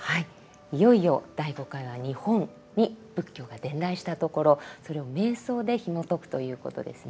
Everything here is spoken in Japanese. いよいよ第５回は日本に仏教が伝来したところそれを瞑想でひもとくということですね